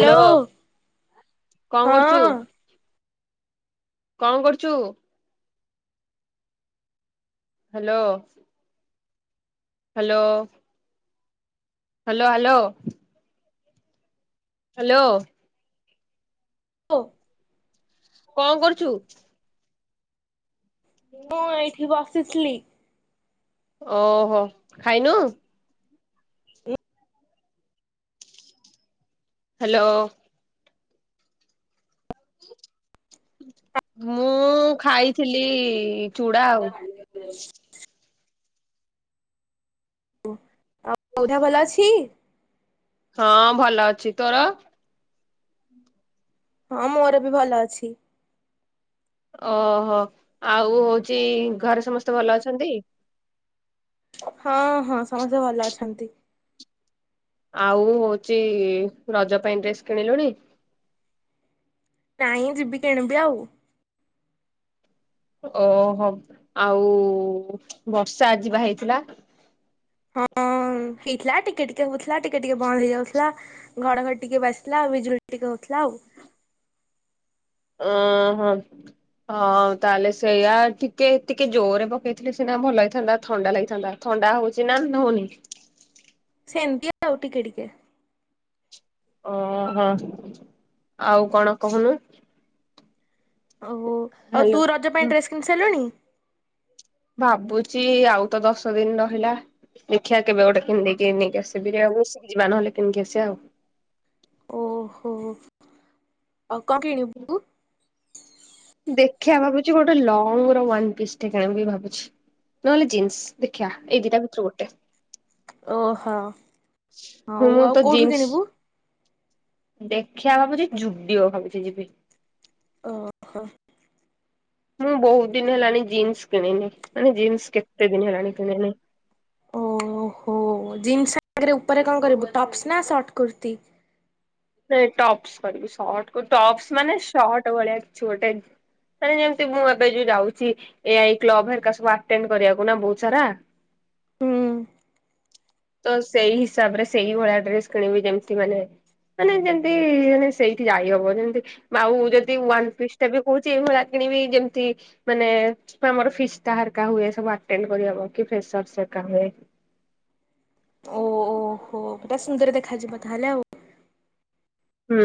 Hello କଣ୍ କରୁଚୁ? ହଁ କଣ୍ କରୁଚୁ? Hello. Hello. Hello -hello. Hello. [inaudible] କଣ୍ କରୁଚୁ? ମୁଁ ଏଇଠି ବସିଥିଲି। ଓହୋ ଖାଇନୁ? ହାଲୋ। ମୁଁ ଖାଇଥିଲି ଚୁଡା ଆଉ। [inaudible] ଆଉ ବଉ ଦେହ ଭଲ ଅଛି? ହଁ ଭଲ ଅଛି। ତୋର? ହଁ ମୋର ବି ଭଲ ଅଛି। ଓହୋ ଆଉ ହଉଚି ଘରେ ସମସ୍ତେ ଭଲ ଅଛନ୍ତି? ହଁ ହଁ ସମସ୍ତେ ଭଲ ଅଛନ୍ତି। ଆଉ ହଉଚି ରଜ ପାଇଁ ଡ୍ରେସ୍ କିଣିଲୁଣି? ନାଇଁ ଯିବି କିଣିବି ଆଉ। ଓ ହୋ ଆଉ ବର୍ଷା ଆଜିବା ହେଇଥିଲା? ହଁ ହେଇଥିଲା ଟିକେ ଟିକେ ହଉଥିଲା ଟିକେ ଟିକେ ବନ୍ଦ ହେଇଯାଉଥିଲା। ଘଡ ଘଡି ଟିକେ ବାଜୁଥିଲା ଆଉ ବିଜୁଳି ଟିକେ ହଉଥିଲା ଆଉ। ଓଁ ହଁ। ହଁ ତାହେଲେ ସେଇଆ ଟିକେ ଟିକେ ଜୋରେ ପକେଇଥିଲେ ସିନା ଭଲ ହେଇଥାନ୍ତା ଥଣ୍ଡା ଲାଗିଥାନ୍ତା। ଥଣ୍ଡା ହଉଛି ନା ହଉନି? ସେମିତି ଆଉ ଟିକେ ଟିକେ। ଓହୋ ଆଉ କଣ କହୁନୁ? ଓହୋ ଆଉ ହ୍ୟାଲୋ ତୁ ରଜ ପାଇଁ ଡ୍ରେସ କିଣିି ସାରିଲୁଣି? ଭାବୁଛି ଆଉ ତ ଦଶ ଦିନି ରହିଲା। ଦେଖିଆ କେବେ ଗୋଟେ କିିଣିଦେଇକି ନେଇକି କିଆସିବି ଯେ ଆଉଜିବା ନହେଲେ କିଣିକି ଆସିବା ଆଉ। ଓହୋ ଆଉ କଣ କିଣିବୁ? [unintelligible] ଦେଖିଆ ଭାବୁଛି ଗୋଟେ ଲଙ୍ଗ ର ୱାନ୍ ପିସ୍ ଟେ କିଣିବି ଭାବୁଛି। ନହେଲେ ଜିନ୍ସ ଦେଖିଆ ଏଇ ଦିଟା ଭିତରୁ ଗୋଟେ। ଓହୋ। ହୁଁ ଆଉ ମୁଁ ଆଉ ତ କୋଉଠୁ ଜିନ୍ସ କିଣିବୁ? ଦେଖିଆ ଭାବୁଛି ଜୁବିଓ ଭାବୁଛି ଯିବି। ଓ। ମୁଁ ବହୁତ ଦିନି ହେଲାଣି ଜିନ୍ସ କିଣିନି ମାନେ ଜିନ୍ସ କେତେ ଦିନି ହେଲାଣି କିଣିନି। ଓହୋ ଜିନ୍ସ ଆଗରେ ଉପରେ କଣ କରିବୁ ଟପ୍ସ ନା ସର୍ଟ କୁର୍ତ୍ତି? ନାଇଁ ଟପ୍ସ କରିବି ସଟ ଟପ୍ସ ମାନେ ସର୍ଟ ଭଳିଆ କିଛି ଗୋଟେ। ମାନେ ଯେମିତି ମୁଁ ଏବେ ଯୋଉ ଯାଉଛି ଏଆଇ କ୍ଲବ ହେରିକା ସବୁ ଆଟେନ କରିବାକୁ ନା ବହୁତ ସାରା। ହୁଁ। ତ ସେଇ ହିସାବ ରେ ସେଇ ଭଳିଆ ଡ୍ରେସ କିଣିବି ଯେମିତି ମାନେ ମାନେ ଯେମତି ମାନେ ସେଇଠି ଯାଇହବ ଯେମତି ଆଉ ଯଦି ୱନପିସ ତାକୁ କହୁଛି ଏଇ ଭଳିଆ କିଣିବି ଯେମିତି ମାନେ ଆମର ଫିସ଼ତାରକା ହୁଏ ସବୁଆଟେନ କରିବାକୁ ପ୍ରେସର ସିକା ହୁଏ। ଓହୋ ପଟା ସୁନ୍ଦର ଦେଖାଯିବ ତାହେଲେ ଆଉ। ହୁଁଁ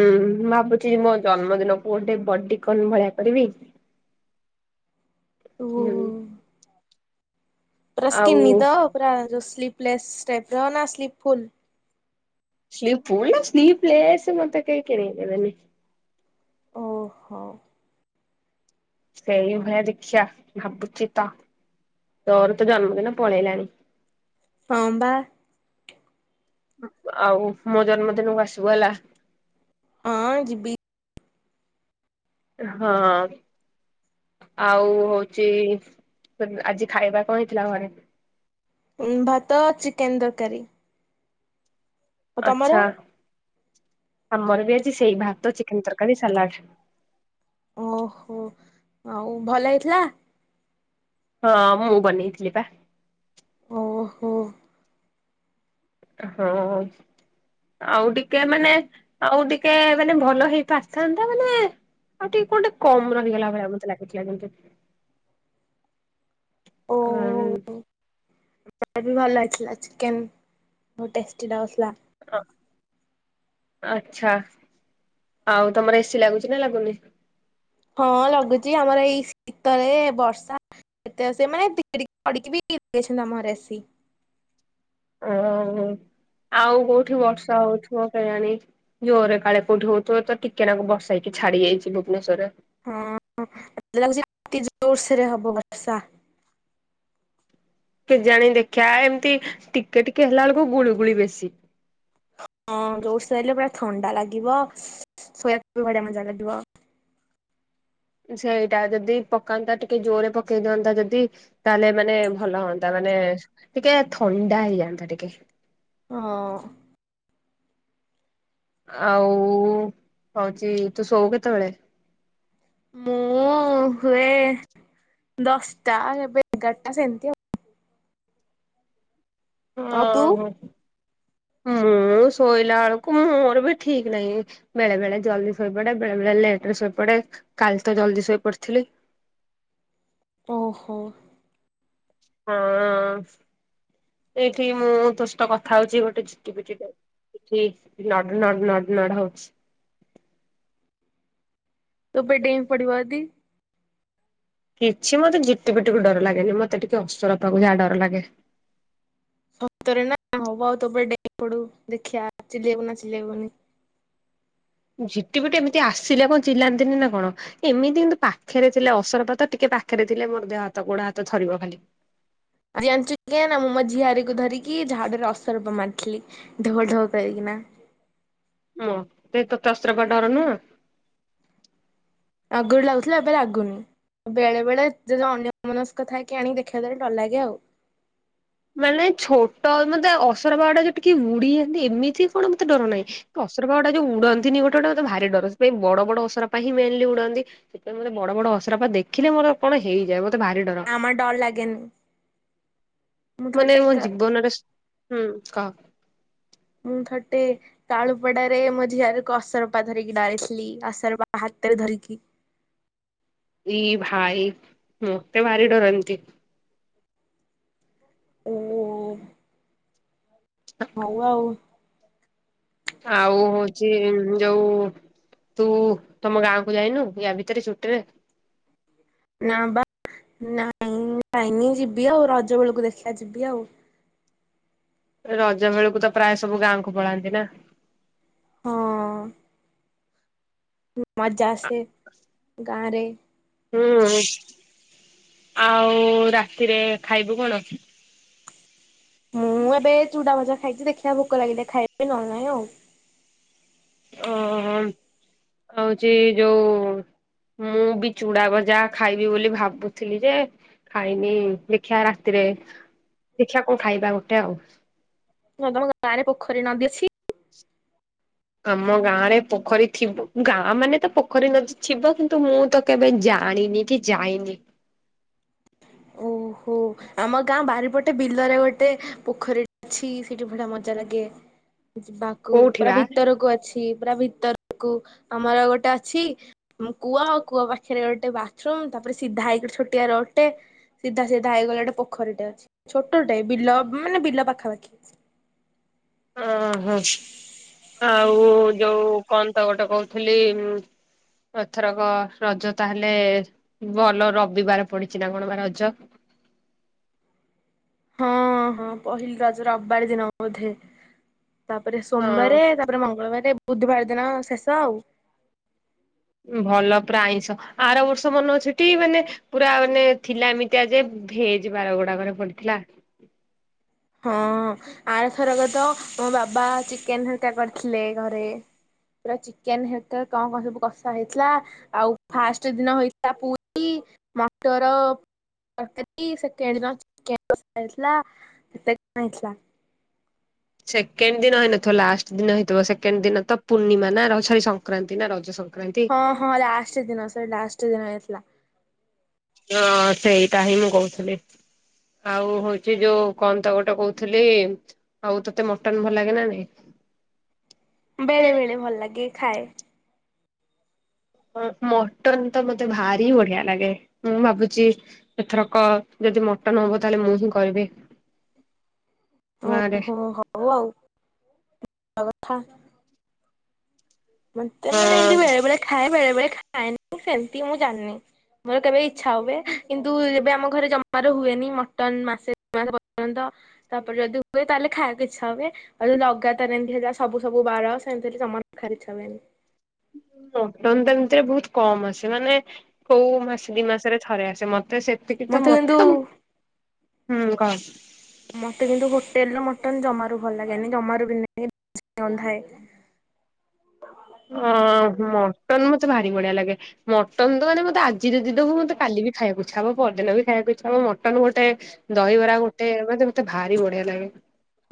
ଭାବୁଛି ମୋ ଜନ୍ମଦିନକୁ ଗୋଟେ ବଡିକନ ଭଳିଆ କରିବି। ଓହୋ। ହୁଁ ଡ୍ରେସ୍ କିଣିନିତ ଆଉ ପୁରା ଯଉ ସ୍ଲିପ ପ୍ଲେସ ଟାଇପ ର ନା ସ୍ଲିପଫୁଲ? ସ୍ଲିଫୁଲ ନା ସ୍ଲିପ୍ ପ୍ଲେସ୍ ମତେ କେହି କିଣେଇ ଦେବେନି। ଓହୋ। ସେଇ ଭଳିଆ ଦେଖିଆ ଭାବୁଛି ତ ତୋର ତ ଜନ୍ମଦିନ ପଳେଇଲାଣି। ହଁ ବା। ଆଉ ମୋ ଜନ୍ମଦିନକୁ ଆସିବୁ ହେଲା। ହଁ ଯିବି। ହଁ। ଆଉ ହଉଚି ତମ ଆଜି ଖାଇବା କଣ ହେଇଥିଲା ଘରେ? ଉଁ ଭାତ ଚିକେନ ତରକାରୀ। ଆଉ ତମର? ଆଚ୍ଛା ଆମର ବି ଆଜି ସେଇ ଭାତ ଚିକେନ ତରକାରୀ ସାଲାଡ। ଓହୋ ଆଉ ଭଲ ହେଇଥିଲା? ହଁ ମୁଁ ବନେଇଥିଲି ପା। ଓହୋ। ହଁ ଅଜ। ଆଉ ଟିକେ ମାନେ ଆଉ ଟିକେ ମାନେ ଭଲ ହେଇ ପାରିଥାନ୍ତା ମାନେ ଆଉ ଟିକେ କଣଟେ କମ ରହିଗଲା ଭଳି ଆମତେ ଲାଗିଥିଲା କିନ୍ତୁ। ହଁ ଉଁ। ମତେ ବି ଭଲ ଲାଗଥିଲା ଚିକେନ ବହୁତ ଟେଷ୍ଟି ଲାଗୁ ଥିଲା। ହଁ ଆଛା ଆଉ ତମର ଏସି ଲାଗୁଛି ନା ଲାଗୁନି? ହଁ ଲାଗୁଚି ଆମର ଏଇ ଶୀତରେ ବର୍ଷା ଦ ସେମାନେ ଟିକେ ଟିକେ ପଡ଼ିକି ବି [unintelligible] ଅଁ ଆଉ କୋଉଠି ବର୍ଷା ହଉଥିବ କେଆଣି। ଜୋରରେ କାଳେ କୋଠି ହଉଥିବ ତ, ଟିକେ ନାଗୁ ବର୍ଷା ହେଇକି ଛାଡି ଯାଇଛି ଭୁବନେଶ୍ଵର ହଁତ ମତେ ଲାଗୁଛି ଟିକେ ଜୋରସରେ ହବ ବର୍ଷା। କେ ଜାଣି ଦେଖିବା ଏମିତି ଟିକେ ଟିକେ ହେଲା ବେଳକୁ ଗୁଳିୁଗୁଳି ବେଶୀ। ହଁ ଜୋରସରଲେ ପୁରା ଥଣ୍ଡା ଲାଗିବ ଶୋଇବାକୁ ଭଢିଆ ମଜା ଲାଗିବ। ସେଇଟା ଯଦି ପକାନ୍ତା ଟିକେ ଜୋରେ ପକେଇ ଦିଅନ୍ତା ଯଦି ତା ଏଲେ ମାନେ ଭଲ ହୁଅନ୍ତା ମାନେ ଟିକେ ଥଣ୍ଡା ହେଇଯାନ୍ତା ଟିକେ ହଁ ଆଉ ହଉଛି ତୁ ଶୋଉ କେତେବେଳେ? ମୁଁ ହୁଏ ଦଶଟା ଏବେ ଏଗାରଟା ସେମିତି ଆଉ ହଁ ତୁ? ହୋ ମୁଁ ଶୋଇଲା ବେଳକୁ ମୋର ବି ଠିକ ନାହିଁ। ବେଳେ ବେଳେ ଜଲ୍ଦି ଶୋଇପଡେ, ବେଳେ ବେଳେ ଲେଟ ରେ ଶୋଇପଡେ, କାଲି ତ ଜଲ୍ଦି ଶୋଇ ପଡିଥିଲି। ଓହୋ। ହଁ ଅଁ ଏଇଠି ମୁଁ ତୋ କଥା ହଉଛି, ଗୋଟେ ଚିଟି ପିଟି ଟେ ଏଠି ନଡ ନଡ ନଡ ହଉଛି। ତୋ ଉପରେ ଡେଇଁ ପଡିବ ଯଦି? କିଛି ମତେ ଝିଟି ପିଟିକୁ ଡର ଲାଗେନି, ମତେ ଟିକେ ଅସୁର ପାଖକୁ ଯାହା ଡର ଲାଗେ। ସତରେ ନା ହବ ଆଉ ତୋ ଡେଇ ପଡୁ ଦେଖିଆ ଚିଲେଇବୁ ନା ଚିଲେଇବୁନି। ଝିଟି ପିଟି ଏମିତି ଆସିଲା କଣ ଚିଲାନ୍ତିନି ନା କଣ? ଏମିତି କିନ୍ତୁ ପାଖରେ ଥିଲେ, ଅସରପାତ ଟିକେ ପାଖରେ ଥିଲେ, ମୋର ଦେହ ହାତ ଗୋଡ ହାତ ଥିବ ଖାଲି। ଆଜି ଜାଣିଚୁ ନା ମୁଁ ମୋ ଝିଆରୀକୁ ଧରିକି ଝାଡୁରେ ଅସରପା ମାରିଥିଲି। ଢ଼ୋ ଢ଼ୋ କରିକିନା। ମତେ ତତେ ଅସରପା ଡରନୁହଁ? ଆଗରୁ ଲାଗୁଥିଲା, ଏବେ ଲାଗୁନି। ବେଳେ ବେଳେ ଯଦି ଅନ୍ୟ ମନସ୍କ ଥାଏ କିଏ ଆଣିକି ଦେଖେଇ ଦେଲେ ଦୋରଲେ ଡର ଲାଗେ ଆଉ ମାନେ ଛୋଟ ମତେ ଅସର ପା ଯଉ ଟିକେ ବୁଡି ଯାନ୍ତି ଏମିତି କଣ ମତେ ଡର ନାହିଁ। ଅସରପା ଗୁଡା ଯୋଉ ଉଡନ୍ତିନି ଗୋଟେ ଗୋଟେମତେ ଭାରି ଡର, ସେଥିପାଇଁ ବଡ ବଡ ଅସରାପ ହଁ ମେନଲି ଉଡନ୍ତି। ସେଥିପାଇ ମତେ ବଡ ବଡ ଅସରପା ଦେଖିଲେ ମୋର କଣ ହେଇଯାଏ, ମତେ ଭାରି ଡର। ମତେ ଡର ଲାଗେନି। ମୁଁ ମାନେ ଥରଟେ ମୋ କା ଜୀବନରେ, ହୁଁ କହ? ମୁଁ ଥରଟେ ତଳୁପଡାରେ ମୋ ଝିଅରିକୁ ଅସରପା ଧରିଇକିନା ଆଇଥିଲି, ଅସରପା ହାତରେ ଧରିକି ଦି ଭାଇ ମତେ ଭାରି ଡରନ୍ତି। ଉଁ ଉଁ। [unintelligible] ହଉ ଆଉ ଆଉ ହଉଛି ଯୋଉ ତୁ ତମ ଗାଁକୁ ଯାଇନୁ ୟା ଭିତରେ ଛୁଟିରେ? ନାଁ ବା ନାଇଁ ଯାଇନି ଯିବି ଆଉ ରଜ ବେଳୁକୁ ଦେଖିଆ ଯିବି ଆଉ। ରଜ ବେଳୁକୁ ତ ପ୍ରାୟ ସବୁ ଗାଁକୁ ପଳାନ୍ତି ନା। ହଁ। ମଜା ଆସେ ଗାଁରେ। ହୁଁ ଆଉ ରାତିରେ ଖାଇବୁ କଣ? ମୁଁ ଏବେ ଚୁଡ଼ା ଭଜା ଖାଇଚି ଦେଖିବା ଭୋକ ଲାଗିଲେ ଖାଇ ନ ନାହିଁ ଆଉ। ଓହ ହଉଚି ଯୋଉ ମୁଁ ବି ଚୁଡ଼ା ଭଜା ଖାଇବି ବୋଲି ଭାବୁଥିଲି ଯେ ଖାଇନି ଦେଖିବା ରାତିରେ ଦେଖିବା କଣ ଖାଇବା ଗୋଟେ ଆଉ ନାଁ ତମ ଗାଁରେ ପୋଖରୀ ନଦୀ ଅଛି? ଆମ ଗାଁରେ ପୋଖରୀ ଥିବ ଗାଁ ମାନେ ତ ପୋଖରୀ ନଦୀ ଥିବ କିନ୍ତୁ ମୁଁ ତ କେବେ ଜାଣିିନି କି ଯାଇନି। ଓହୋ ଆମ ଗାଁ ବାରିପଟେ ବିଲରେ ଗୋଟେ ପୋଖରୀ ଛି ସେଠି ଭଡ଼ା ମଜା ଲାଗେ ଯିବାକୁ କୋଉଠି ପୁରା ବା? ଭିତରକୁ ଅଛି। ଇ ପୁରା ଭିତରକୁ ଆମର ଗୋଟେ ଅଛି। ଆମ କୂଅ ଆଉ କୂଅ ପାଖରେ ଗୋଟେ ବାଥରୁମ୍ ତାପରେ ସିଧା ହେଇକି ଗୋଟେ ଛୋଟିଆ ରୋଡ ଟେ। ସିଧା ସିଧା ହେଇଗଲେ ଗୋଟେ ପୋଖରୀଟେ ଅଛି ଛୋଟଟେ ବିଲ ମାନେ ବିଲ ପାଖାପାଖି। ଅଁହଁ ଆଉ ଯୋଉ କଣ ତ ଗୋଟେ କଉଥୁଲି ଉଁ? ଏଥରକ ରଜ ତାହେଲେ ଭଲ ରବିବାର ପଡି଼ଚି ନାଁ କଣ ବା ରଜ? ହଁ ହଁ ପହିଲି ରଜ ରବାର ଦିନ ବୋଧେ ତାପରେ ହଁ ସୋମବାରେ ତା ପରେ ମଙ୍ଗଳବାରେ ବୁଧବାର ଦିନ ଶେଷ ଆଉ। ଉଁ ଭଲ ପୁରା ଆଇଁଷ ଆର ବର୍ଷ ମନ ଅଛି ଟି ମାନେ ପୁରା ମାନେ ଥିଲା ଏମିତିଆ ଯେ ଭେଜ୍ ବାରଗୁଡ଼ାକରେ ପଡ଼ିଥିଲା। ହଁ ଆରଥରକ ତ ମୋ ବାବା ଚିକେନ୍ ହେରକା କରିଥିଲେ ଘରେ। ପୁରା ଚିକେନ୍ ହେରକା କଣ କଁ କଁ ସବୁ କଷା ହେଇଥିଲା। ଆଉ ଫାଷ୍ଟେ ଦିନ ହେଇଥିଲା ପୁରୀ ମଟର ଅରକାରୀ ସେକେଣ୍ଡ୍ ଦିନ ଚିକେନ୍ କଷା ହେଇଥିଲା କେତେ [inaudible] ହେଇଥିଲା। ସେକେଣ୍ଡ୍ ଦିନ ହେଇନଥିବ ଲାଷ୍ଟ୍ ଦିନ ହେଇଥିବ ସେକଣ୍ଡ୍ ଦିନ ତ ପୂର୍ଣ୍ଣିମା ନା ର ସରି ସଂକ୍ରାନ୍ତି ନା ରଜସଂ ହଁ ହଁ ଲାଷ୍ଟେ ଦିନ ସରି ଲାଷ୍ଟେ ଦିନ ହେଇଥିଲା। ୟଁ ସେଇଟା ହିଁ ମୁଁ କହୁଥିଲି। ଆଉ ହଉଚି ଯୋଉ କଣ ତ ଗୋଟେ କଉଥୁଲି? ଆଉ ତତେ ମଟନ୍ ଭଲ ଲାଗେ ନାଁ ନାଇଁ? ବେଳେ ବେଳେ ଭଲ ଲାଗେ ଖାଏ। ଅଁ ମଟନ୍ ତ ମତେ ଭାରି ବଢ଼ିଆ ଲାଗେ ମୁଁ ଭାବୁଚି ଏଥରକ ଯଦି ମଟନ ହବ ତାହେଲେ ମୁଁ ହିଁ କରିବି। ଗାଁରେ। ଓହୋ ହଉ ଆଉ ଅ‌ ଅଥା। ମତେ ମାନେ ହଁ ଏମିତି ବେଳେ ବେଳେ ଖାଏ ବେଳେ ବେଳେ ଖାଏନି ସେମତି ମୁଁ ଜାଣିନି। ମୋର କେବେ ଇଚ୍ଛା ହୁଏ କିନ୍ତୁ ଯେବେ ଆମ ଘରେ ଜମାରୁ ହୁଏନି ମଟନ ମାସେ ଦିମାସେ ପର୍ଯ୍ୟନ୍ତ ତାପରେ ଯଦି ହୁଏ ତାହେଲେ ଖାଇବାକୁ ଇଚ୍ଛା ହୁଏ। ଆଉ ଯେ ଲଗାତାର ଏମତି ହେଲା ସବୁ ସବୁ ବାର ସେମତି ହେଲେ ଜମାରୁ ଖାର ଇଚ୍ଛା ହୁଏନି। ମଟନ୍ ଏମିତିରେ ବହୁତ କମ୍ ଆସେ ମାନେ କୋଉ ମାସେ ଦି ମାସେରେ ଥରେ ଆସେ ମତେ ସେ ଟିକେ ତ ମତେ ମ କିନ୍ତୁ ତୁଂ ହୁଁ କହ। ମତେ କିନ୍ତୁ ହୋଟେଲ୍ ର ମଟନ୍ ଜମାରୁ ଭଲ ଲାଗେନି ଜମାରୁ ବି ନାଇଁ ଅନ୍ଧାଏ। ହଁ ମଟନ୍ ମୋତେ ଭାରି ବଢିଆ ଲାଗେ। ମଟନ ତ ମାନେ ମତେ, ଆଜି ଯଦି ଦବୁ, ମତେ କାଲି ବି ଖାଇବାକୁ ଇଛା ହବ, ପରଦିନ ବି ଖାଇବାକୁ ଇଛା ହବ ମଟନ୍ ଗୋଟେ ଦହିବରା ଗୋଟେ ମାନେ ମତେ ଭାରି ବଢିଆ ଲାଗେ।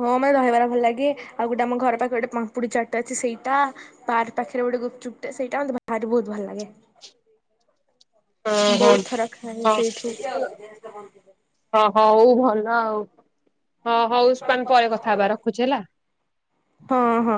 ହଁ ମାନେ ଦହିବରା ଭଲ ଲାଗେ, ଆଉ ଗୋଟେ ଆମ ଘର ପାଖରେ ଗୋଟେ ପାମ୍ପୁଡି ଚାଟ ଅଛି ସେଇଟା। ପାର୍କ ପାଖରେ ଗୋଟେ ଗୁପଚୁପଟେ, ସେଇଟା ମତେ ଭାରି ବହୁତ ଭଲ ଲାଗେ। ହଁ ହଁ ବହୁତ ଥର ଖାଏ ହଁ। ସେଇଠୁ। [inaudible] ହଁ ହ ହଉ ଭଲ ଆଉ, ହଁ ହଉ ପାନ ପରେ କଥା ହେବା ରଖୁଛି ହେଲା। ହଁ ହଁ।